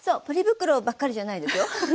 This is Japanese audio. ポリ袋ばっかりじゃないですよ。